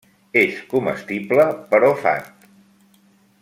És comestible però fat.